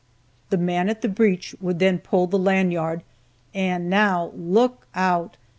The man at the breech would then pull the lanyard, and now look out!